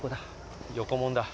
横門だ。